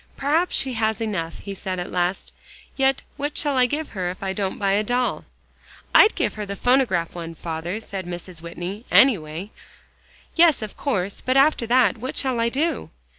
"Perhaps she has enough," he said at last. "Yet what shall I give her if I don't buy a doll?" "I'd give her the phonograph one, father," said Mrs. Whitney, "anyway." "Yes, of course; but after that, what shall I do?"